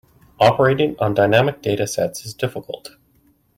Operating on dynamic data sets is difficult.